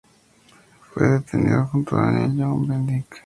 Fue detenido junto a Daniel Cohn-Bendit por agitador.